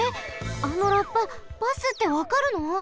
あのラッパバスってわかるの！？